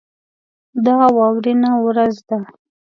دا واورینه ورځ ده.